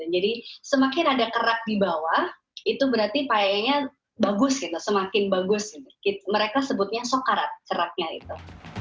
jadi semakin ada kerak di bawah itu berarti paheyanya bagus gitu semakin bagus gitu mereka sebutnya sokarat keraknya itu